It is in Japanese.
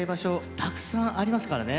たくさんありますからね。